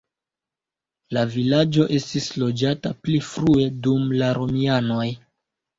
La vilaĝo estis loĝata pli frue dum la romianoj.